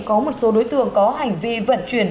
có một số đối tượng có hành vi vận chuyển